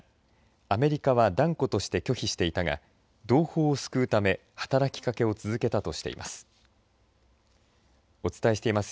アメリカは断固として拒否していたが同胞を救うため働きかけを続けたとしています。